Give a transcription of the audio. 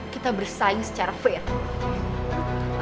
kita bersaing secara faith